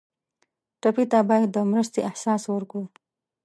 ټپي ته باید د مرستې احساس ورکړو.